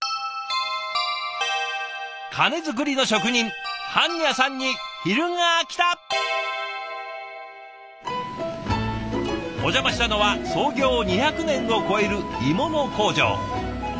鐘作りの職人お邪魔したのは創業２００年を超える鋳物工場。